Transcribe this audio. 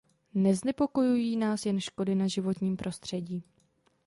Neznepokojují nás jen škody na životním prostředí.